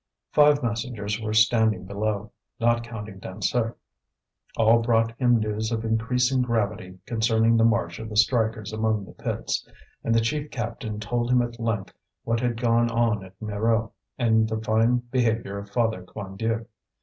Five messengers were standing below, not counting Dansaert. All brought him news of increasing gravity concerning the march of the strikers among the pits: and the chief captain told him at length what had gone on at Mirou and the fine behaviour of Father Quandieu.